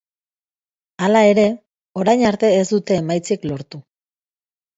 Hala ere, orain arte ez dute emaitzik lortu.